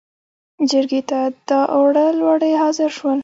جرګې ته داوړه لورې حاضر شول.